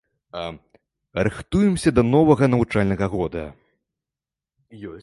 Рыхтуемся да новага навучальнага года.